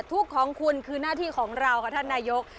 ทุกข์ของคุณคือหน้าที่ของเราค่ะท่านนายก